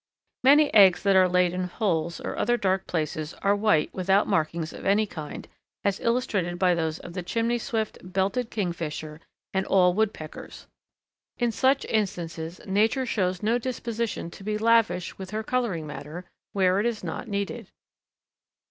Many eggs that are laid in holes or other dark places are white without markings of any kind, as illustrated by those of the Chimney Swift, Belted Kingfisher, and all Woodpeckers. In such instances Nature shows no disposition to be lavish with her colouring matter where it is not needed.